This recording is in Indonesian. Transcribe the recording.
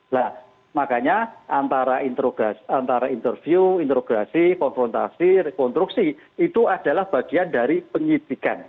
nah makanya antara interview interogasi konfrontasi rekonstruksi itu adalah bagian dari penyidikan